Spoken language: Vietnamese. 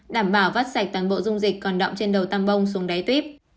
đảm bảo vắt sạch toàn bộ dung dịch còn đọng trên đầu tăm bông xuống đáy tuyếp